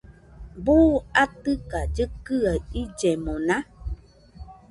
¿Buu atɨka llɨkɨa illemona?